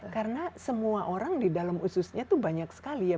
karena semua orang di dalam ususnya itu banyak sekali ya